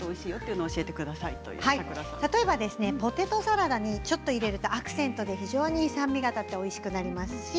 例えばポテトサラダにちょっと入れるとアクセントが立っておいしくなります。